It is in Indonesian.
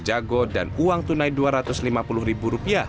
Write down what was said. jago dan uang tunai rp dua ratus lima puluh